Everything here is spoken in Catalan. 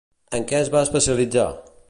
En què es va especialitzar?